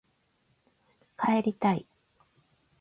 帰りたい